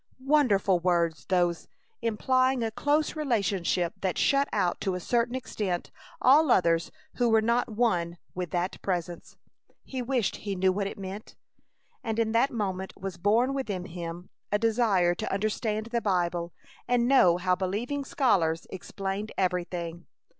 Wonderful words those, implying a close relationship that shut out to a certain extent all others who were not one with that Presence. He wished he knew what it all meant! And in that moment was born within him a desire to understand the Bible and know how believing scholars explained everything.